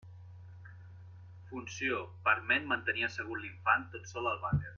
Funció: permet mantenir assegut l'infant tot sol al vàter.